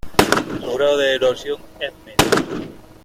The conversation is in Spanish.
Su grado de erosión es medio.